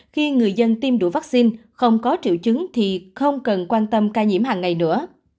khi người dân tiêm đủ vaccine không có triệu chứng thì không cần quan tâm ca nhiễm hàng ngày nữa